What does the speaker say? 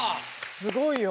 すごいよ！